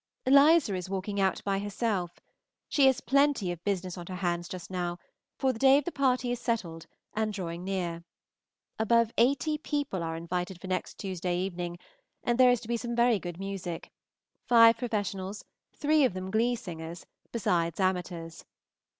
Eliza is walking out by herself. She has plenty of business on her hands just now, for the day of the party is settled, and drawing near. Above eighty people are invited for next Tuesday evening, and there is to be some very good music, five professionals, three of them glee singers, besides amateurs.